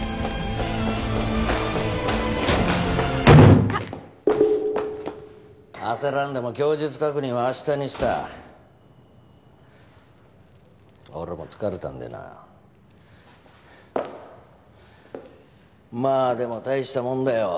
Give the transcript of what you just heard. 痛っ焦らんでも供述確認は明日にした俺も疲れたんでなまあでも大したもんだよ